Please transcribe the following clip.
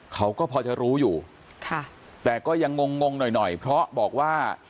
เขาก็พอจะรู้อยู่ค่ะแต่ก็ยังงงงหน่อยหน่อยเพราะบอกว่า